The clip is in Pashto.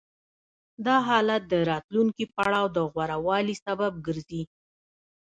دا حالت د راتلونکي پړاو د غوره والي سبب ګرځي